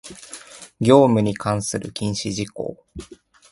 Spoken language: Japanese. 業務に関する禁止事項